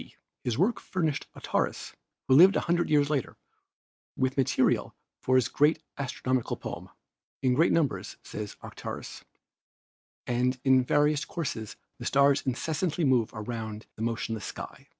c. His work furnished Aratus, who lived a hundred years later, with material for his great astronomi cal poem. " Tn great numbers/ says Aratus, 'and in various courses the stars incessantly move around the motionless skies.